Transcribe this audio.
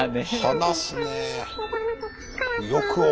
話すねえ。